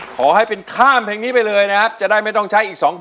ขอให้เป็นข้ามเพลงนี้ไปเลยนะครับจะได้ไม่ต้องใช้อีก๒๐๐